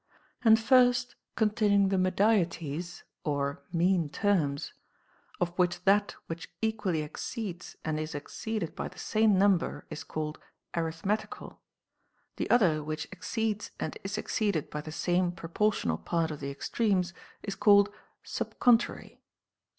And first, concerning the medieties (or mean terms); of which that which equally exceeds and is ex ceeded by the same number is called arithmetical ; the other, which exceeds and is exceeded by the same propor tional part of the extremes, is called sub contrary.